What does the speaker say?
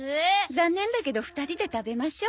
残念だけど２人で食べましょう。